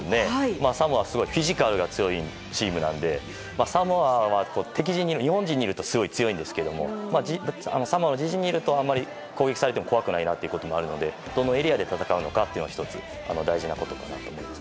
サモアはフィジカルが強いチームなのでサモアは敵陣にいるとすごい強いんですけどサモアが自陣にいるとあまり攻撃されても怖くないのでどのエリアで戦うかも大事なことかなと思います。